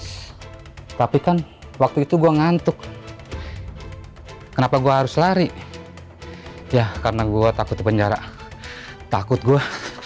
hai tapi kan waktu itu gua ngantuk kenapa gua harus lari ya karena gua takut penjara takut gua